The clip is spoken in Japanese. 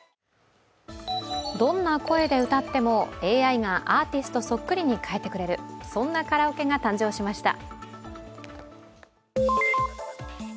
どんな声で歌ってもＡＩがアーティストそっくりに変えてくれる、そんなカラオケが誕生しました。